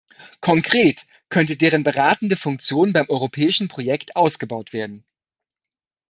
Konkret könnte deren beratende Funktion beim europäischen Projekt ausgebaut werden.